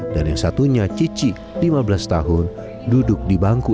dan yang satunya cici lima belas tahun duduk di bangku smp